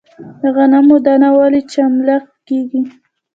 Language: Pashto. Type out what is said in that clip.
د غنمو دانه ولې چملک کیږي؟